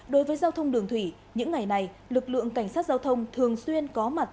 đối với giao thông đường thủy những ngày này lực lượng cảnh sát giao thông thường xuyên có mặt